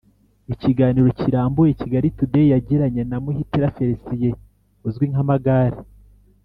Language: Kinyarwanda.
Ikiganiro kirambuye Kigali Today yagiranye na Muhitira Felicien uzwi nka Magare